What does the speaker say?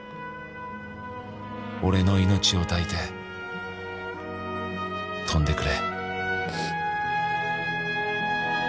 「俺の命を抱いて」「飛んでくれ」